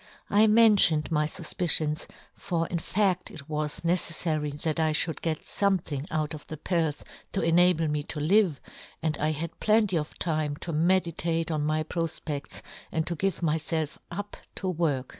I mentioned my fufpicions, " for in fadt it was neceffary that I " fhould get fomething out of the " purfe, to enable me to live, and I " had plenty of time to meditate on " my profpedts, and to give myfelf " up to work.